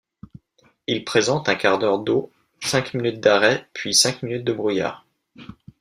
Il présente un quart d'heure d'eau, cinq minutes d'arrêt puis cinq minutes de brouillard.